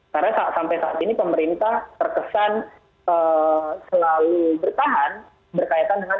karena sampai saat ini pemerintah terkesan selalu bertahan berkaitan dengan apakah mereka menggunakan informasi